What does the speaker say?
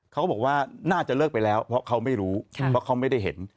เขาบอกว่าน่าจะเลิกไปแล้วเพราะเขาไม่รู้เพราะเขาไม่ได้เห็น